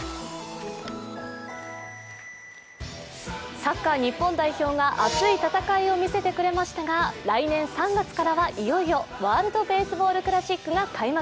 サッカー日本代表が熱い戦いを見せてくれましたが来年３月からはいよいよワールド・ベースボール・クラシックが開幕。